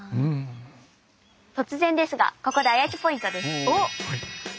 突然ですがここで「あやちょポイント」です。